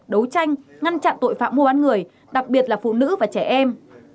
đấu tranh ngăn chặn tội phạm mua bán người đặc biệt là phụ nữ và trẻ em